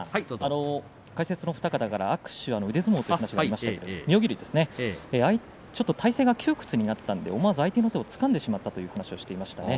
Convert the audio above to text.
解説のお二方から腕相撲という話がありましたが妙義龍は体勢が窮屈になったのでこのあと相手の手をつかんでしまったと言っていました。